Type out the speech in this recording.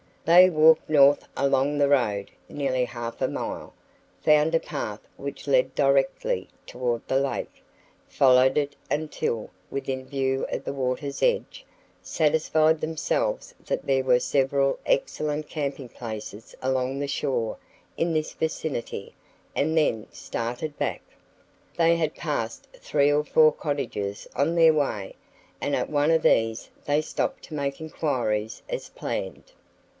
They walked north along the road nearly half a mile, found a path which led directly toward the lake, followed it until within view of the water's edge, satisfied themselves that there were several excellent camping places along the shore in this vicinity and then started back. They had passed three or four cottages on their way and at one of these they stopped to make inquiries as planned.